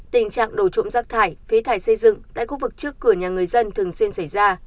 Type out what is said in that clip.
tình trạng đổ trộm rác thải phế thải xây dựng tại khu vực trước cửa nhà người dân thường xuyên xảy ra